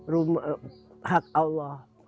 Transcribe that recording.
rumah hak allah